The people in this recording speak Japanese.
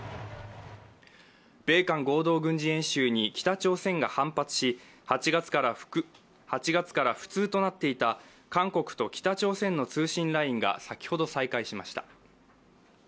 米韓合同軍事演習に北朝鮮が反発し８月から不通となっていた韓国と北朝鮮の通信ラインが先ほど再開しました。